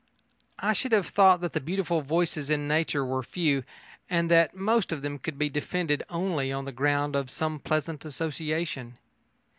I should have thought that the beautiful voices in nature were few, and that most of them could be defended only on the ground of some pleasant association.